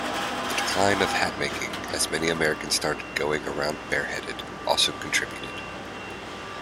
The decline of hatmaking, as many Americans started going around bareheaded, also contributed.